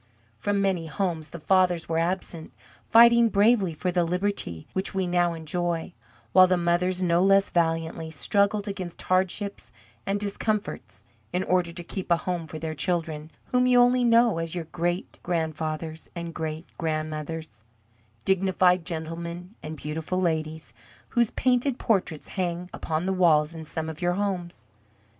From many homes the fathers were absent, fighting bravely for the liberty which we now enjoy, while the mothers no less valiantly struggled against hardships and discomforts in order to keep a home for their children, whom you only know as your great grandfathers and great grandmothers, dignified gentlemen and beautiful ladies, whose painted portraits hang upon the walls in some of your homes.